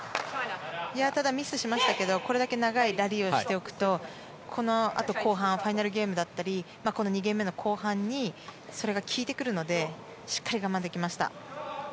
ただ、ミスはしましたけどこれだけ長いラリーをしておくとこのあと後半ファイナルゲームだったり２ゲーム目の後半にそれが効いてくるのでしっかり我慢できました。